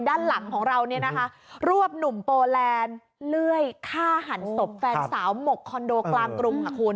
ด้านหลังของเราเนี่ยนะคะรวบหนุ่มโปแลนด์เลื่อยฆ่าหันศพแฟนสาวหมกคอนโดกลางกรุงค่ะคุณ